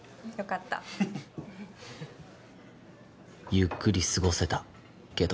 ゆっくり過ごせたけど